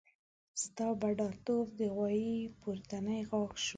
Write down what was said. ستا بډاتوب د غوايي پورتنی غاښ شو.